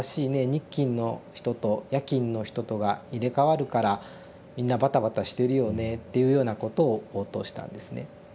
日勤の人と夜勤の人とが入れ代わるからみんなバタバタしてるよね」っていうようなことを応答したんですね。